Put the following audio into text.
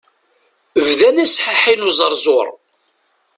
Bdan asḥaḥi n uẓerẓur.